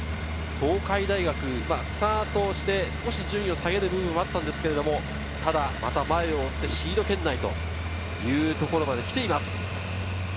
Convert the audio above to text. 東海大学、スタートして少し順位を下げる部分があったんですけど、また前を追ってシード圏内というところまできています。